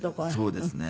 そうですね。